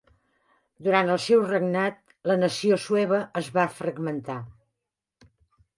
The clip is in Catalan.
Durant el seu regnat, la nació sueva es va fragmentar.